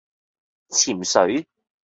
潛水